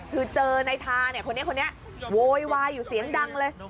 คือเจอในทาเนี่ยคนนี้คนนี้โวยวายอยู่เสียงดังเลย